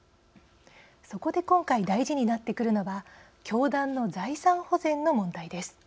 そこで今回大事になってくるのは教団の財産保全の問題です。